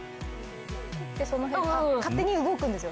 でその辺あっ勝手に動くんですよ